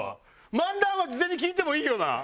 漫談は事前に聞いてもいいよな？